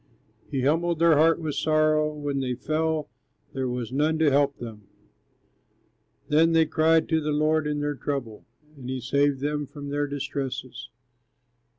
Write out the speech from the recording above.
He humbled their heart with sorrow; When they fell, there was none to help them. Then they cried to the Lord in their trouble, And he saved them from their distresses.